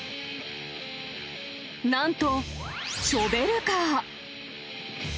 なんとショベルカー。